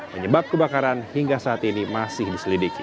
penyebab kebakaran hingga saat ini masih diselidiki